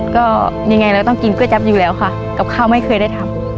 ก็ยังไงเราต้องกินก๋วยจับอยู่แล้วค่ะกับข้าวไม่เคยได้ทำ